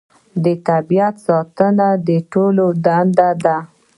د طبیعت ساتنه د ټولو دنده ده